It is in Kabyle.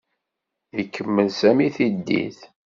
Ikemmel Sami tiddit.